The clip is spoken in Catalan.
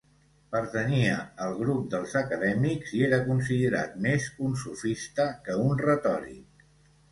Pertanyia al grup dels acadèmics i era considerat més un sofista que un retòric.